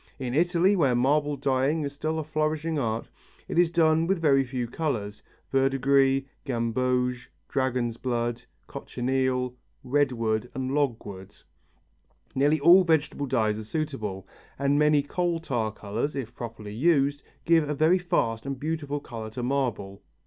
In Italy, where marble dyeing is still a flourishing art, it is done with very few colours: verdigris, gamboge, dragon's blood, cochineal, redwood and logwood. Nearly all vegetable dyes are suitable, and many coal tar colours, if properly used, give a very fast and beautiful colour to marble.